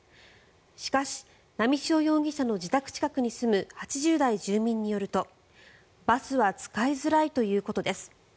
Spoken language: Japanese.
しかし波汐容疑者の自宅近くに住む８０代住民によるとバスは使いづらいということです。